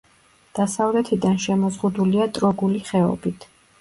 დასავლეთიდან შემოზღუდულია ტროგული ხეობით.